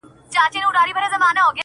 زه مسافر پر لاره ځم سلګۍ وهمه!